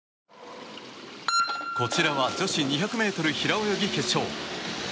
こちらは女子２００ｍ平泳ぎ決勝。